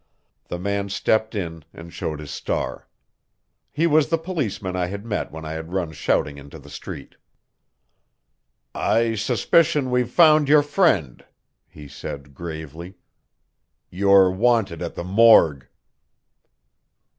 The man stepped in and showed his star. He was the policeman I had met when I had run shouting into the street. "I suspicion we've found your friend," he said gravely. "You're wanted at the morgue."